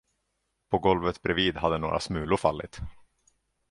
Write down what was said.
På golvet bredvid hade några smulor fallit.